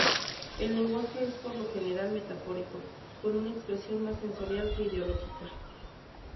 El lenguaje es por lo general metafórico, con una expresión más sensorial que ideológica.